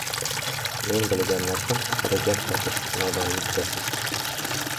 Men bilgan narsam haqida gap sotish nodonlikdir.